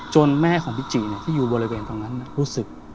แม่ของพี่จิที่อยู่บริเวณตรงนั้นรู้สึก